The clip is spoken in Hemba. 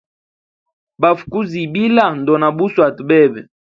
Bafʼukuzibila, ndona buswata bebe.